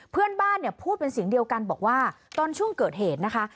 เพื่อนบ้านเนี่ยพูดเป็นเสียงเดียวกันบอกว่าตอนช่วงเกิดเหตุนะคะ